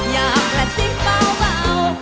อยากประสิทธิ์เบา